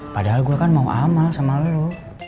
padahal gua kan mau amal sama lu